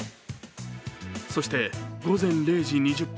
そして、午前０時２０分。